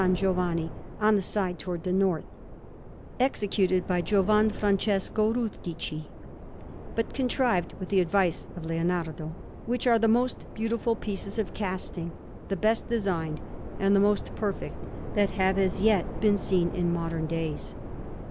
Giovanni, on the side towards the north, executed by Giovan Francesco Rustici, but contrived with the advice of Leonardo; which are the most beautiful pieces of casting, the best designed, and the most perfect that have as yet been seen in modern days.